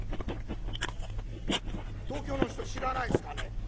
東京の人知らないですかね？